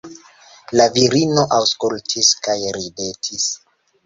La virino aŭskultis kaj ridetis.